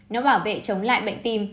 nó bảo vệ chống lại bệnh tim